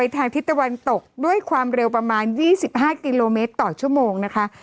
ทางทิศตะวันตกด้วยความเร็วประมาณ๒๕กิโลเมตรต่อชั่วโมงนะคะ